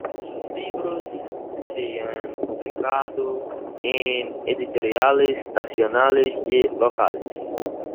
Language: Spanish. Sus libros se han publicado en editoriales nacionales y locales.